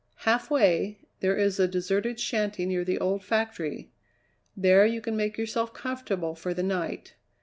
Halfway, there is a deserted shanty near the old factory; there you can make yourself comfortable for the night.